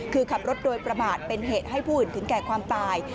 คือขับรถโดยประมาทเป็นเหตุให้ผู้อื่นถึงแก่ความตาย